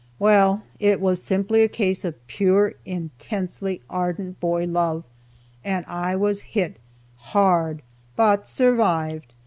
Well, it was simply a case of pure, intensely ardent boy love, and I was hit, hard, but survived.